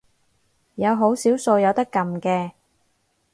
有好少數有得撳嘅